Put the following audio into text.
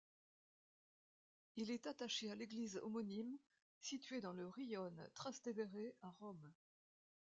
Il est attaché à l'église homonyme située dans le rione Trastevere à Rome.